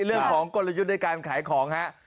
เรื่องของกลยุทธ์ในการขายของครับ